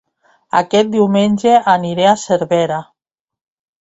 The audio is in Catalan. Aquest diumenge aniré a Cervera